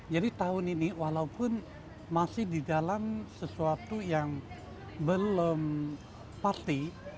jadi tahun ini walaupun masih di dalam sesuatu yang belum pasti